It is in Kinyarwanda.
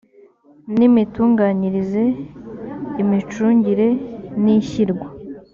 n imitunganyirize imicungire n ishyirwa